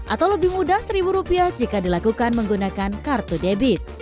atau lebih mudah rp satu jika dilakukan menggunakan kartu debit